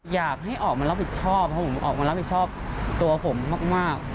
อยากให้ออกมารับผิดชอบเพราะผมออกมารับผิดชอบตัวผมมาก